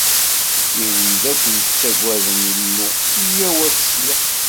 A wid akk yettaggaden Illu, yyaw ad teslem.